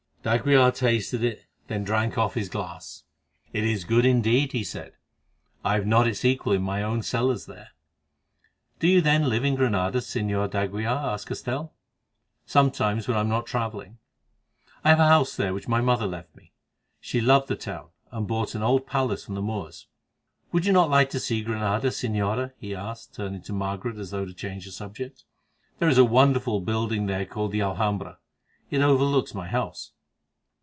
d'Aguilar tasted it, then drank off his glass. "It is good, indeed," he said; "I have not its equal in my own cellars there." "Do you, then, live in Granada, Señor d'Aguilar?" asked Castell. "Sometimes, when I am not travelling. I have a house there which my mother left me. She loved the town, and bought an old palace from the Moors. Would you not like to see Granada, Señora?" he asked, turning to Margaret as though to change the subject. "There is a wonderful building there called the Alhambra; it overlooks my house."